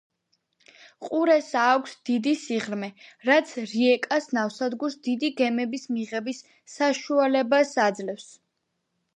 ყურეს აქვს დიდი სიღრმე, რაც რიეკას ნავსადგურს დიდი გემების მიღების საშუალებას საშუალება აძლევს.